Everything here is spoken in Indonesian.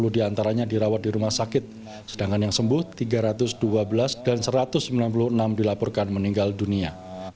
sepuluh diantaranya dirawat di rumah sakit sedangkan yang sembuh tiga ratus dua belas dan satu ratus sembilan puluh enam dilaporkan meninggal dunia